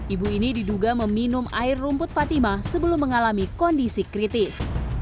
ibu ini diduga meminum air rumput fatima sebelum mengalami kondisi kritis